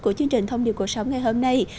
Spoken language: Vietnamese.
của chương trình tông điều cổ sống ngày hôm nay